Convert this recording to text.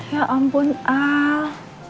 ya ampun al